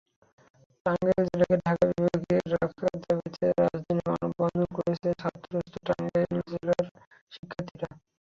টাঙ্গাইল জেলাকে ঢাকা বিভাগে রাখার দাবিতে রাজধানীতে মানববন্ধন করেছেন ঢাকাস্থ টাঙ্গাইল জেলার শিক্ষার্থীরা।